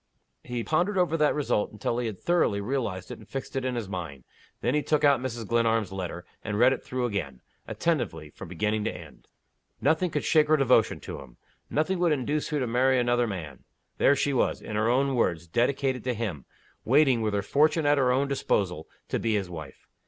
He pondered over that result until he had thoroughly realized it and fixed it in his mind. Then he took out Mrs. Glenarm's letter, and read it through again, attentively, from beginning to end. Nothing could shake her devotion to him. Nothing would induce her to marry another man. There she was in her own words dedicated to him: waiting, with her fortune at her own disposal, to be his wife.